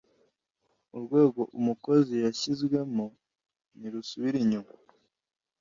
urwego umukozi yashyizwemo ntirusubira inyuma